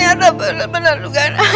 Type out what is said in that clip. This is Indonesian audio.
ayah tak boleh melakukan ayah